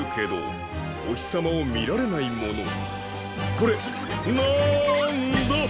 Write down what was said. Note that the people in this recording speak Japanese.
これなんだ？